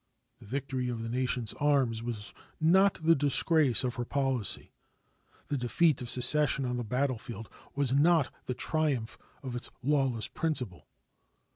The victory of the nation's arms was not the disgrace of her policy; the defeat of secession on the battlefield was not the triumph of its lawless principle.